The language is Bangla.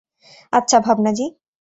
আচ্ছা, ভাবনা জি।